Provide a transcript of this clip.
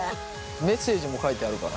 メッセージも書いてあるから。